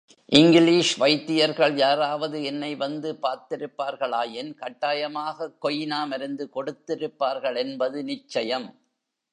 English வைத்தியர்கள் யாராவது என்னை வந்து பார்த்திருப்பார்களாயின், கட்டாயமாகக் கொயினா மருந்து கொடுத்திருப்பார்களென்பது நிச்சயம்.